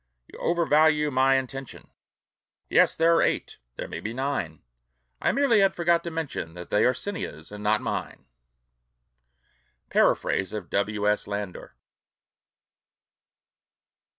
"You overvalue my intention. Yes, there are eight ... there may be nine: I merely had forgot to mention That they are Cinna's, and not mine." Paraphrase of W. S. Landor.